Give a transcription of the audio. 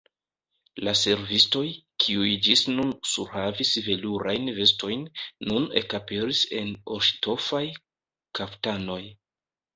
La servistoj, kiuj ĝis nun surhavis velurajn vestojn, nun ekaperis en orŝtofaj kaftanoj.